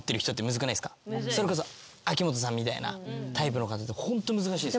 それこそ秋元さんみたいなタイプの方ホント難しい。